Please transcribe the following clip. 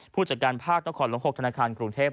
ผู้จัดการภาคน้องขอดลง๖ธนาคารกรุงเทพฯ